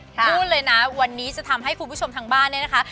พูดเลยนะวันนี้จะทำให้คุณผู้ชมทางบ้านเนี่ยนะคะ